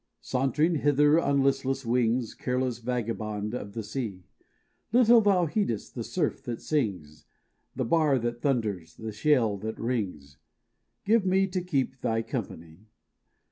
Sauntering hither on listless wings, Careless vagabond of the sea, Little thou heedest the surf that sings, The bar that thunders, the shale that rings,— Give me to keep thy company.